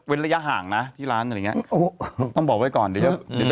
มีระยะหางไม่ต้องไปขยี่ค่ะ